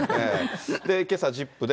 けさ、ＺＩＰ！で。